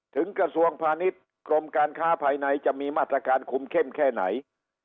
กระทรวงพาณิชย์กรมการค้าภายในจะมีมาตรการคุมเข้มแค่ไหน